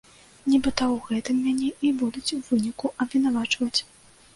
Нібыта ў гэтым мяне і будуць у выніку абвінавачваць.